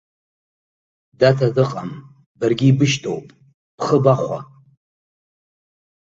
Даҭа дыҟам, баргьы ибышьҭоуп, бхы бахәа.